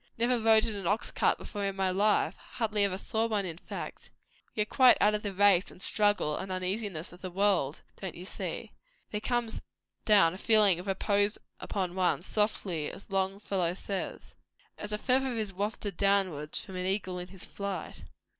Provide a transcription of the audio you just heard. Never rode in an ox cart before in my life; hardly ever saw one, in fact. We are quite out of the race and struggle and uneasiness of the world, don't you see? There comes down a feeling of repose upon one, softly, as Longfellow says 'As a feather is wafted downward From an eagle in his flight.'